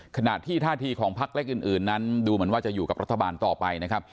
ขณะที่ท่าทีของพักเล็กอื่นนั้นดูเหมือนว่าจะอยู่กับรัฐบาลต่อไปนะครับ